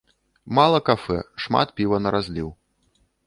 Мала кафэ, шмат піва на разліў.